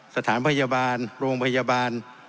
สถานพยาบาลโรงพยาบาล